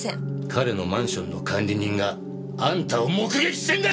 彼のマンションの管理人があんたを目撃してんだよ！